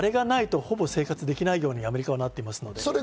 あれがないとほぼ生活できないようにアメリカはなっています。